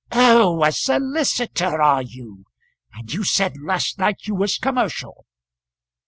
"Oh, a solicitor; are you? and you said last night you was commercial!